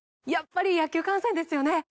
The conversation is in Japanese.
やっぱり野球観戦ですよね